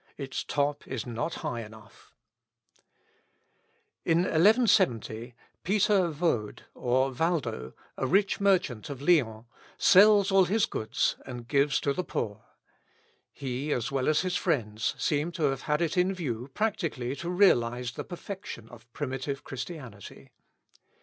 Its top is not high enough. In 1170, Peter Vaud, or Valdo, a rich merchant of Lyons, sells all his goods and gives to the poor. He, as well as his friends, seem to have had it in view practically to realise the perfection of primitive Christianity.